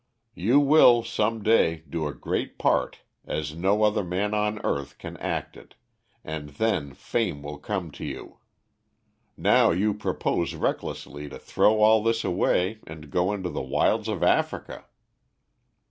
You will, some day, do a great part as no other man on earth can act it, and then fame will come to you. Now you propose recklessly to throw all this away and go into the wilds of Africa."